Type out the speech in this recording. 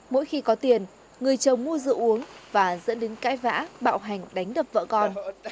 mỗi khi có tiền người chồng mua rượu uống và dẫn đến cãi vã bạo hành đánh đập vợ con